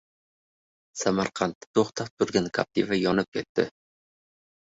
Samarqandda to‘xtab turgan "Captiva" yonib ketdi